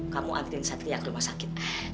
kamu ambilin satria ke rumah sakit